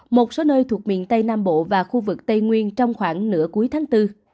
một số nơi thuộc miền tây nam bộ và khu vực tây nguyên trong khoảng nửa cuối tháng bốn